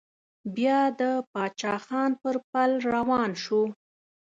بيا د پاچا خان پر پل روان شو.